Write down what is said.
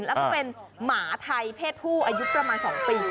แล้วก็เป็นหมาไทยเพศผู้อายุประมาณ๒ปี